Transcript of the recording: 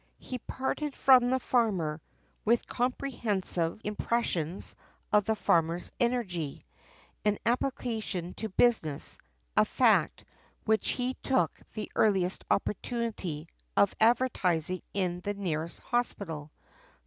He parted from the Farmer, with comprehensive impressions, of the farmer's energy, and application to business, a fact, which he took the earliest opportunity, of advertising in the nearest hospital.